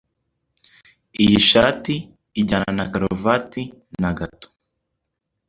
Iyi shati ijyana na karuvati na gato.